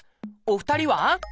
お二人は？